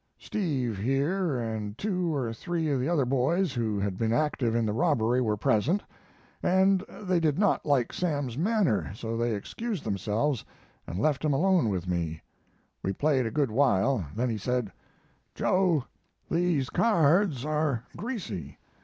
"Steve here, and two or three of the other boys who had been active in the robbery, were present, and they did not like Sam's manner, so they excused themselves and left him alone with me. We played a good while; then he said: "'Joe, these cards are greasy.